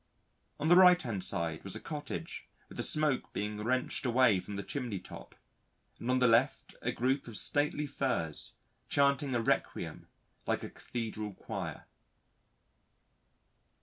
On the right hand side was a cottage with the smoke being wrenched away from the chimney top, and on the left a group of stately Firs, chanting a requiem like a cathedral choir.